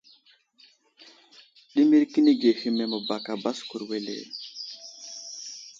Ɗimirkinige hehme məbaka baskur wele.